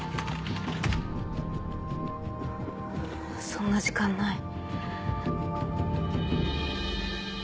そんな時間ない。